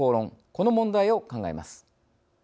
この問題を考えます。